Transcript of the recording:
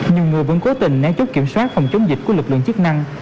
nhiều người vẫn cố tình nén chốt kiểm soát phòng chống dịch của lực lượng chức năng